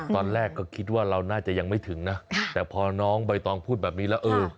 ตอนแรกก็คิดว่าเราน่าจะยังไม่ถึงนะแต่พอน้องใบตองพูดแบบนี้แล้วเออ